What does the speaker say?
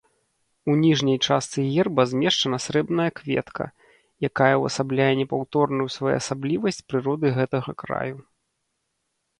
У ніжняй частцы герба змешчана срэбная кветка, якая ўвасабляе непаўторную своеасаблівасць прыроды гэтага краю.